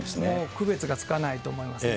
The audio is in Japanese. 区別がつかないと思いますね。